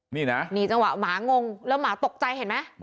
นี่นะนี่จังหวะหมางงแล้วหมาตกใจเห็นไหม